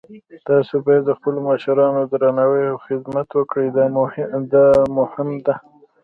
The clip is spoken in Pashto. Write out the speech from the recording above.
تاسو باید د خپلو مشرانو درناوی او خدمت وکړئ، دا مهم ده